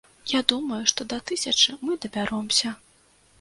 Я думаю, што да тысячы мы дабяромся.